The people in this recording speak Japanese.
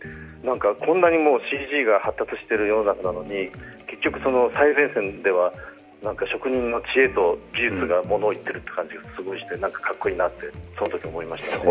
こんなにＣＧが発達している世の中なのに、結局最前線では職人の知恵と技術がものをいっている感じがすごくしてかっこいいなって、そのとき思いましたね。